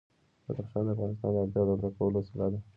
بدخشان د افغانانو د اړتیاوو د پوره کولو وسیله ده.